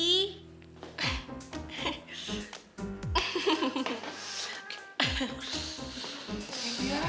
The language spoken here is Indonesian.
yang biasa lah